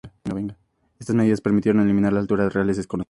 Estas medidas permitieron eliminar las alturas reales desconocidas.